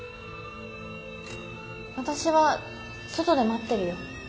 私は外で待ってるよ。